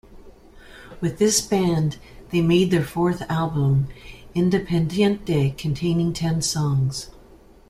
With this band, they made their fourth album, "Independiente" containing ten songs.